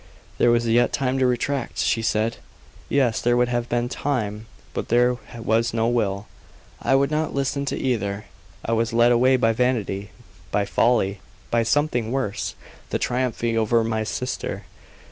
There was yet time to retract she said. Yes; there would have been time; but there was no will. I would not listen to either. I was led away by vanity, by folly, by something worse the triumphing over my own sister.